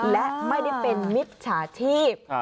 และไม่ได้เป็นมิตรสาธิบ